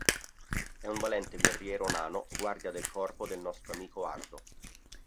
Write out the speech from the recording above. È un valente guerriero nano, guardia del corpo del nostro amico Ardo.